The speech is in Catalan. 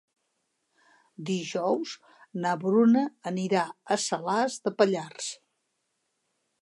Dijous na Bruna anirà a Salàs de Pallars.